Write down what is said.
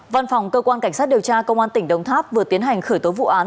văn phòng cơ quan cảnh sát điều tra công an tỉnh đồng tháp vừa tiến hành khởi tố vụ án